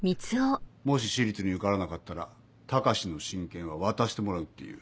もし私立に受からなかったら高志の親権は渡してもらうっていう。